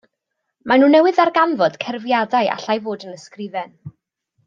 Maen nhw newydd ddarganfod cerfiadau allai fod yn ysgrifen.